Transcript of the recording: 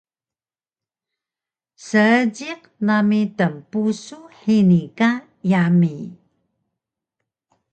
seejiq nami tnpusu hini ka yami